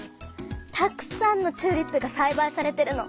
たくさんのチューリップがさいばいされてるの。